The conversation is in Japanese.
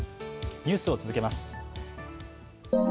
ニュースを続けます。